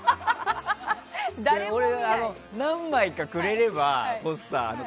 俺、何枚か、くれればポスターを。